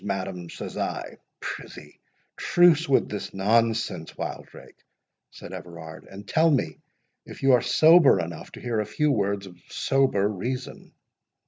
madam, says I—" "Prithee, truce with this nonsense, Wildrake," said Everard, "and tell me if you are sober enough to hear a few words of sober reason?"